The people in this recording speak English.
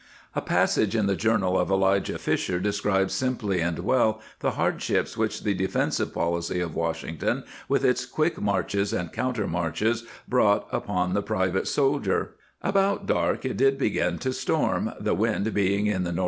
A passage in the Journal of Elijah Fisher de scribes simply and well the hardships which the defensive policy of Washington, with its quick marches and counter marches, brought upon the private soldier: " About Dark it did begun to storm, the wind being at the N.E.